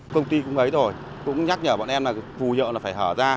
công ty cũng ấy rồi cũng nhắc nhở bọn em là phù hiệu là phải hở ra